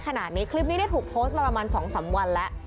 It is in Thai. คลิปนี้คลิปนี้ได้ถูกโพสต์มาประมาณ๒๓วันแล้ว